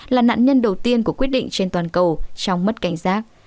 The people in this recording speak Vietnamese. là nạn nhân đầu tiên của quyết định trên toàn cầu trong mất cảnh giác